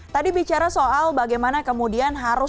tadi bicara soal bagaimana kemudian harus